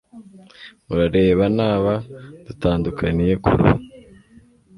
urareba naba dutandukaniye ku ruhu